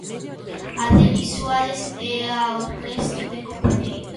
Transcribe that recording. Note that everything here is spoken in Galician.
A Denis Suárez e ao resto de compañeiros.